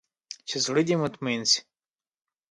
چې زړه دې مطمين سي.